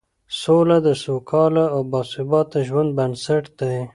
سوله د سوکاله او باثباته ژوند بنسټ دی